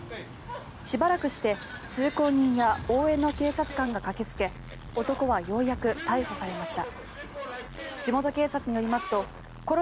しばらくして通行人や応援の警察官が駆けつけ男はようやく逮捕されました。